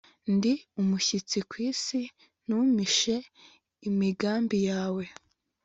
ndi umushyitsi ku isi, ntumpishe imigambi yawe